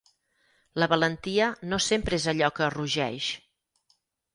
La valentia no sempre és allò que rugeix.